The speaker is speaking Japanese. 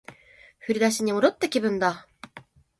振り出しに戻った気分だ